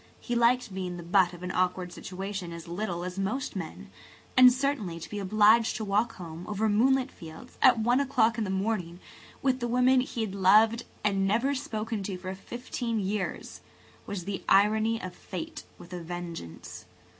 He liked being the butt of an awkward situation as little as most men; and certainly to be obliged to walk home over moonlit fields at one o'clock in the morning with the woman he had loved and never spoken to for fifteen years was the irony of fate with a vengeance.